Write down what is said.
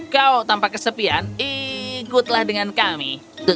kau tanpa kesepian ikutlah dengan kami